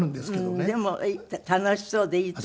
でも楽しそうでいいと思う。